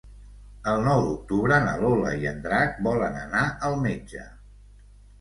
El nou d'octubre na Lola i en Drac volen anar al metge.